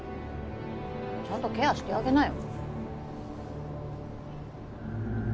ちゃんとケアしてあげなよ。